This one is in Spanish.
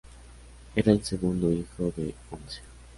Era el segundo hijo de once.